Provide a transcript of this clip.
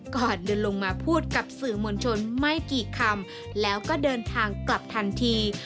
ก่อนเดินลงมาพูดกับสื่อมวลชนไม่กี่คำแล้วก็เดินทางกลับทันที